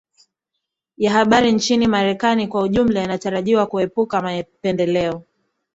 Ya habari nchini Marekani kwa ujumla yanatarajiwa kuepuka mapendeleo